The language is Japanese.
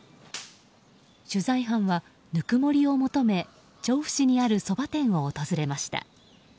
取材班は、ぬくもりを求め調布市にあるそば店を訪れました。